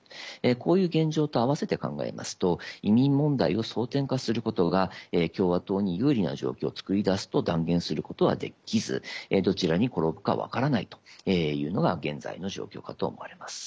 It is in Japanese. こういう現状と合わせて考えますと移民問題を争点化することが共和党に有利な状況を作り出すと断言することはできずどちらに転ぶか分からないというのが現在の状況かと思われます。